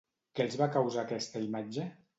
Què els va causar aquesta imatge?